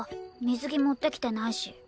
水着持ってきてないし。